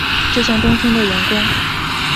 就像冬天的阳光